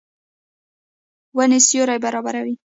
ونې سیوری برابروي.